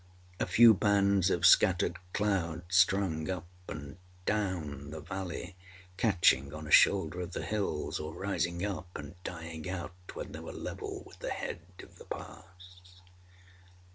A few bands of scattered clouds strung up and down the valley, catching on a shoulder of the hills, or rising up and dying out when they were level with the head of the pass.